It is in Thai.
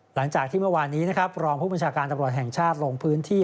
หลังจากที่เมื่อวานนี้นะครับรองผู้บัญชาการตำรวจแห่งชาติลงพื้นที่